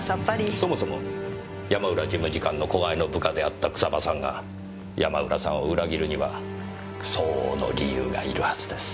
そもそも山浦事務次官の子飼いの部下であった草葉さんが山浦さんを裏切るには相応の理由がいるはずです。